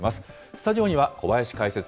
スタジオには小林解説